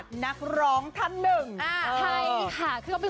กับเพลงที่มีชื่อว่ากี่รอบก็ได้